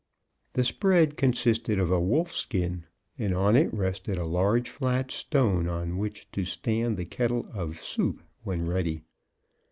The spread consisted of a wolf skin, and on it rested a large flat stone on which to stand the kettle of soup when ready.